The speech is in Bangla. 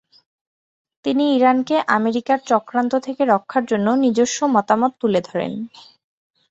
তিনি ইরানকে আমেরিকার চক্রান্ত থেকে রক্ষার জন্য নিজস্ব মতামত তুলে ধরেন।